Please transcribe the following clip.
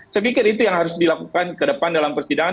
saya pikir itu yang harus dilakukan ke depan dalam persidangan